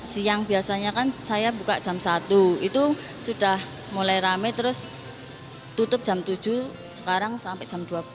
siang biasanya kan saya buka jam satu itu sudah mulai rame terus tutup jam tujuh sekarang sampai jam dua belas